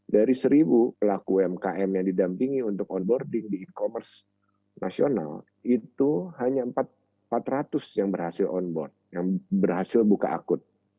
dari seribu pelaku umkm yang didampingi untuk onboarding di e commerce nasional itu hanya empat ratus yang berhasil on board yang berhasil buka akut